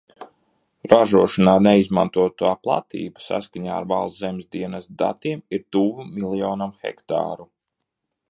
Ražošanā neizmantotā platība, saskaņā ar Valsts zemes dienesta datiem, ir tuvu miljonam hektāru.